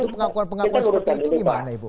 untuk pengakuan pengakuan seperti itu gimana ibu